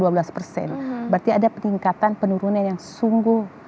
berarti ada peningkatan penurunan yang sungguh